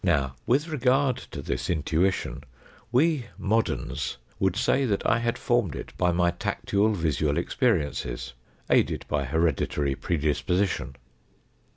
Now, with regard to this intuition, we moderns would say that I had formed it by my tactual visual experiences (aided by hereditary pre disposition).